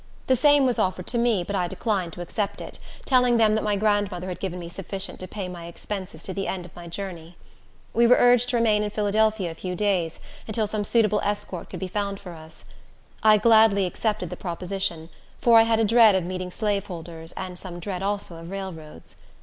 The same was offered to me, but I declined to accept it, telling them that my grandmother had given me sufficient to pay my expenses to the end of my journey. We were urged to remain in Philadelphia a few days, until some suitable escort could be found for us. I gladly accepted the proposition, for I had a dread of meeting slaveholders, and some dread also of railroads.